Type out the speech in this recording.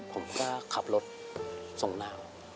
ผมก็ขับรถส่งนาง